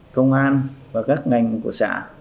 công an và các ngành của xã